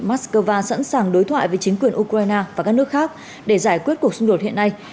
mắc cơ va sẵn sàng đối thoại với chính quyền ukraine và các nước khác để giải quyết cuộc xung đột hiện nay